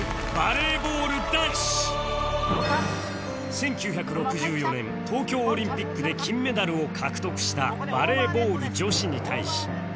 １９６４年東京オリンピックで金メダルを獲得したバレーボール女子に対し